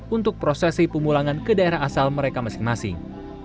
untuk prosesi pemulangan ke daerah asal mereka masing masing